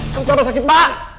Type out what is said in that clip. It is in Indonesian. menurut papa sakit banget